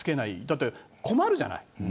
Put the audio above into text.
だって困るじゃない。